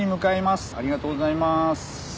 ありがとうございます。